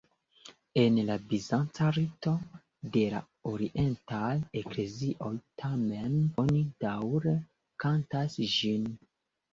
En la bizanca rito de la orientaj eklezioj tamen oni daŭre kantas ĝin.